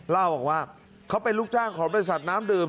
เล่าบอกว่าเขาเป็นลูกจ้างของบริษัทน้ำดื่ม